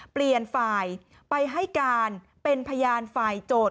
เปลี่ยนฝ่ายไปให้การเป็นพยานฝ่ายโจทย